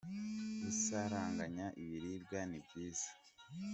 Gusaranganya ibiribwa ni byiza.